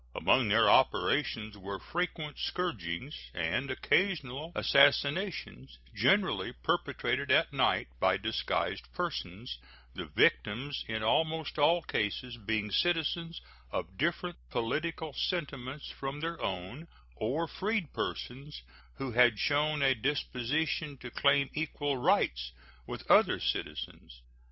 Among their operations were frequent scourgings and occasional assassinations, generally perpetrated at night by disguised persons, the victims in almost all cases being citizens of different political sentiments from their own or freed persons who had shown a disposition to claim equal rights with other citizens.